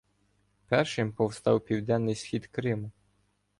Першим повстав південний схід Криму.